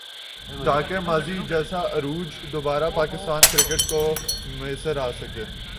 تاکہ ماضی جیسا عروج دوبارہ پاکستان کرکٹ کو میسر آ سکے